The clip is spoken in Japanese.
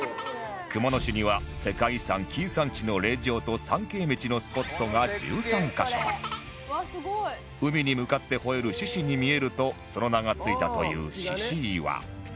熊野市には世界遺産紀伊山地の霊場と参詣道のスポットが１３カ所海に向かってほえる獅子に見えるとその名が付いたという獅子岩